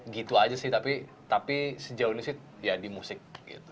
gitu aja sih tapi sejauh ini sih ya di musik gitu